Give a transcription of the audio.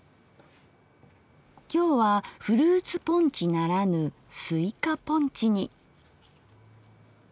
今日はフルーツポンチならぬスイカポンチに。